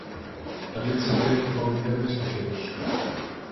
Tamén se cre que comen vermes pequenos.